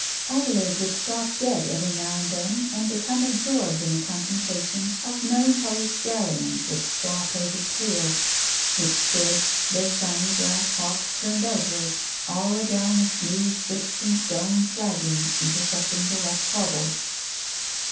Adelaide would stop dead every now and then and become absorbed in the contemplation of melan choly stallions with straw plaited tails, which stood, their shiny black hocks turned outward, all adown the smooth bits of stone flagging intersecting the rough cobbles.